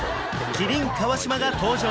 麒麟川島が登場